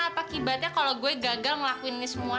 apa kibatnya kalau gue gagal ngelakuin ini semua